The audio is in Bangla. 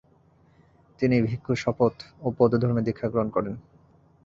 তিনি ভিক্ষুর শপথ ও বৌদ্ধধর্মে দীক্ষা গ্রহণ করেন।